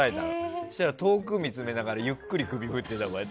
そうしたら遠くを見つめながらゆっくり首振ってた。